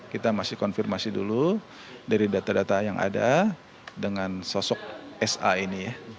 kita masih konfirmasi dulu dari data data yang ada dengan sosok sa ini